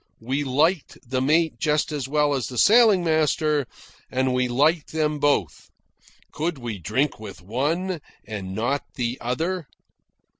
We liked the mate just as well as the sailing master, and we liked them both. Could we drink with one, and not the other?